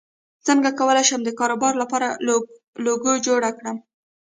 څنګه کولی شم د کاروبار لپاره لوګو جوړ کړم